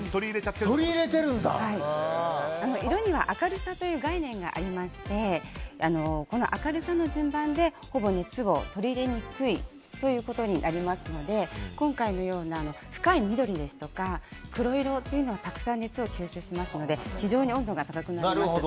色には明るさという概念がありまして明るさの順番でほぼ熱を取り入れにくいということになりますので今回のような深い緑ですとか黒色というのはたくさん熱を吸収しますので非常に温度が高くなります。